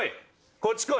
こっち来い。